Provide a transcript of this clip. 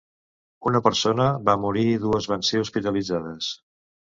Una persona va morir i dues van ser hospitalitzades.